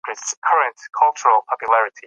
د افغانستان طبیعت له ژبې څخه جوړ شوی دی.